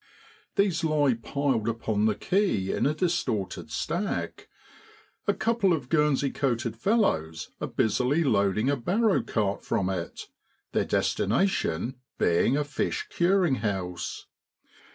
These lie piled upon the quay in a distorted stack; a couple of guernsey coated fellows are busily loading a barrow cart from it, their destination being a fish curing house.